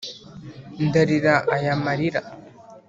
ndarira aya marira